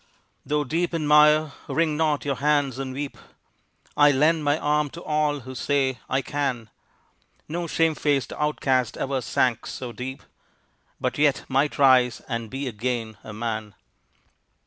Though deep in mire, wring not your hands and weep; I lend my arm to all who say "I can!" No shame faced outcast ever sank so deep, But yet might rise and be again a man!